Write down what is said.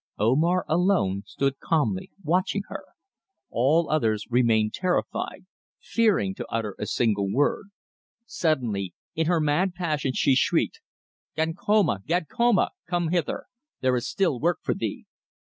Omar alone stood calmly watching her; all others remained terrified, fearing to utter a single word. Suddenly, in her mad passion, she shrieked: "Gankoma! Gankoma! Come hither. There is still work for thee."